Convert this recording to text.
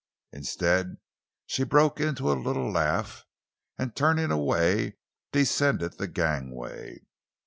Instead she broke into a little laugh, and, turning away, descended the gangway.